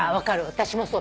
私もそう。